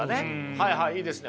はいはいいいですね。